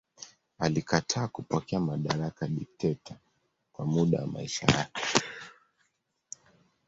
Alikataa kupokea madaraka ya dikteta kwa muda wa maisha yake.